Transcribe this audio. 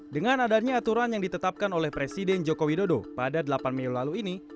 dengan adanya aturan yang ditetapkan oleh presiden joko widodo pada delapan mei lalu ini